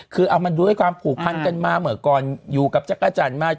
คือเอามันด้วยความผูกพันกันมาเมื่อก่อนอยู่กับจักรจันทร์มา